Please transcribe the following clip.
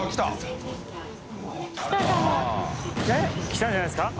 きたんじゃないですか？